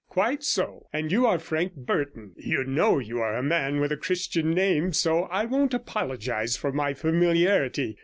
'Quite so. And you are Frank Burton. You know you are a man with a Christian name, so I won't apologise for my familiarity.